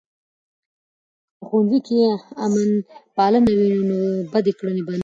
که په ښوونځۍ کې امانتپالنه وي، نو بدې کړنې به نه وي.